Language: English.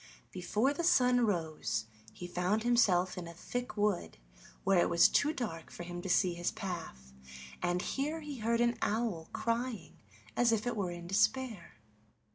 Before the sun rose he found himself in a thick wood where it was too dark for him to see his path, and here he heard an owl crying as if it were in despair.